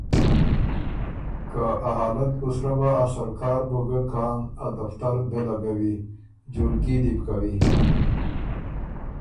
که ا حالت بُو سرۀ بَۀ، ا سرکار بُو ګۀ کان ا دفتر دۀ لګوی، جولګي دی بوکوی